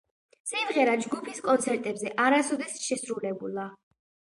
სიმღერა ჯგუფის კონცერტებზე არასოდეს შესრულებულა.